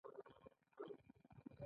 ژمی د واورې موسم دی